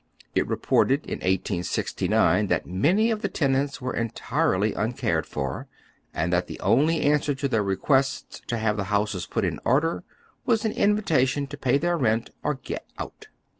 It reported in 1809 that many of tiie tenants were entirely uncared for, and that the only answer to their requests to have the houses put in order was an in vitation to pay their rent or get out.